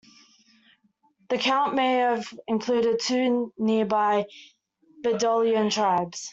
The count may have included two nearby Bedouin tribes.